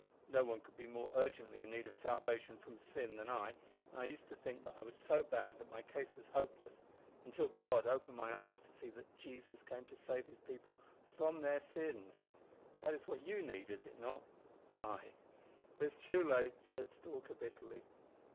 No one could be more urgently in need of salvation from sin than I, and I used to think that I was so bad that my case was hopeless, until God opened my eyes to see that Jesus came to save His people from their sins. That is what you need, is it not?" "Ay, but it is too late," said Stalker, bitterly.